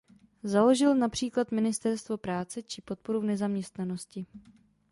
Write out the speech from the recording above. Založil například ministerstvo práce či podporu v nezaměstnanosti.